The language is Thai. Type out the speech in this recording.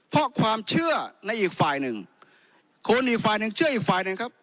เพราะความเชื่อในอีกฝ่ายหนึ่งคนอีกฝ่ายหนึ่งเชื่ออีกฝ่ายหนึ่งครับ